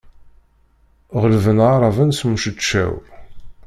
Ɣelben aɛraben s umceččew.